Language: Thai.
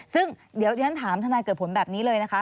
ซึ่งเดี๋ยวที่ฉันถามทนายเกิดผลแบบนี้เลยนะคะ